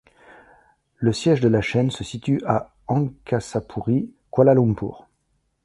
Le siège de la chaîne se situent à Angkasapuri, Kuala Lumpur.